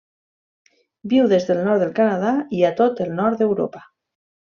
Viu des del nord del Canadà i a tot el nord d'Europa.